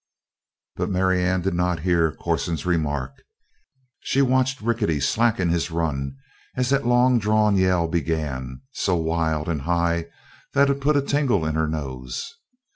But Marianne did not hear Corson's remark. She watched Rickety slacken his run as that longdrawn yell began, so wild and high that it put a tingle in her nose.